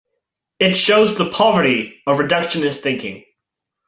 It shows the poverty of reductionist thinking.